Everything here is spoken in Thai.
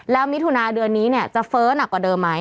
แล้วมิถุนาเดือนนี้จะเฟ้อหนักกว่าเดิมไหม